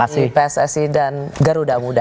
di pssi dan garuda muda